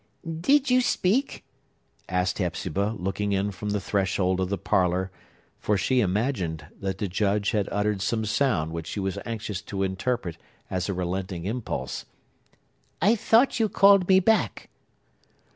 "Did you speak?" asked Hepzibah, looking in from the threshold of the parlor; for she imagined that the Judge had uttered some sound which she was anxious to interpret as a relenting impulse. "I thought you called me back."